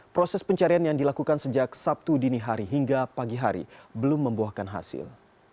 proses pencarian yang dilakukan sejak sabtu dini hari hingga pagi hari belum membuahkan hasil